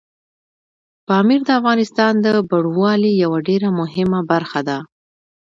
پامیر د افغانستان د بڼوالۍ یوه ډېره مهمه برخه ده.